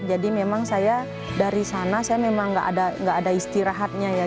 jadi memang saya dari sana saya memang enggak ada enggak ada istirahatnya ya